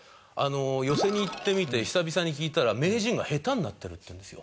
「寄席に行ってみて久々に聴いたら名人が下手になってる」っていうんですよ。